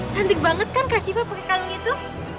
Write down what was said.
cantik banget kan kak siva pakai kalung itu